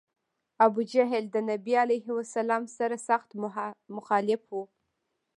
ابوجهل د نبي علیه السلام سر سخت مخالف و.